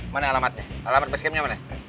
mana alamatnya alamat basecamnya mana